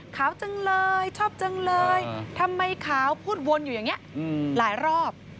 จังเลยชอบจังเลยทำไมขาวพูดวนอยู่อย่างนี้หลายรอบ